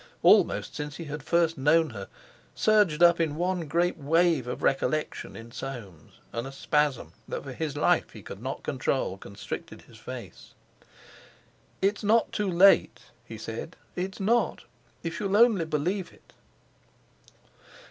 —almost since he had first known her, surged up in one great wave of recollection in Soames; and a spasm that for his life he could not control constricted his face. "It's not too late," he said; "it's not—if you'll only believe it."